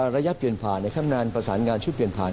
ระยะเปลี่ยนผ่านในคำนานประสานงานชุดเปลี่ยนผ่าน